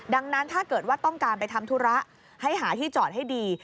ดังนั้นถ้าเกิดว่าต้องการไปทำธุระให้หาที่จอดให้ดี